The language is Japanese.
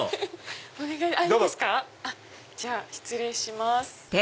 じゃあ失礼します。